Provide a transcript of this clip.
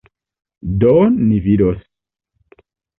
Do ni vidos.